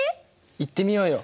行ってみようよ。